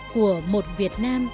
của một việt nam